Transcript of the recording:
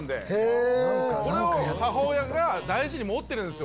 母親が大事に持ってるんですよ